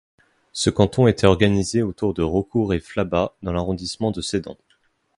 Ce canton était organisé autour de Raucourt-et-Flaba dans l'arrondissement de Sedan.